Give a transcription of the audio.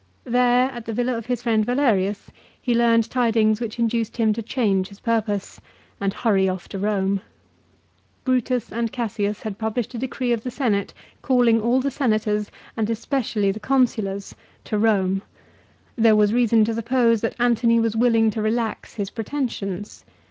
There, at the villa of his friend Valerius, he learned tidings which induced him to change his purpose and hurry off to Eome. Brutus and Cassius had published a decree of the Senate, calling all the Senators and especially the Consulars to Eome. There was reason to suppose that Antony was willing to relax his pretensions.